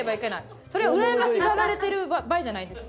それをうらやましがられてる場合じゃないです。